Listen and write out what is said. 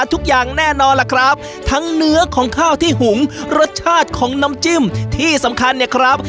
ทุกอย่างแน่นอนล่ะครับทั้งเนื้อของข้าวที่หุงรสชาติของน้ำจิ้มที่สำคัญเนี่ยครับ